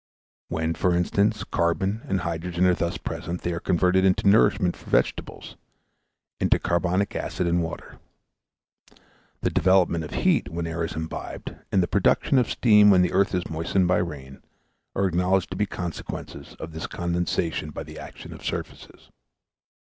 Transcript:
When, for instance, carbon and hydrogen are thus present, they are converted into nourishment for vegetables, into carbonic acid and water. The development of heat when air is imbibed, and the production of steam when the earth is moistened by rain, are acknowledged to be consequences of this condensation by the action of surfaces.